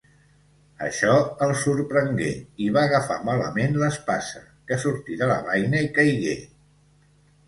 Això el sorprengué i va agafar malament l'espasa, que sortí de la beina i caigué.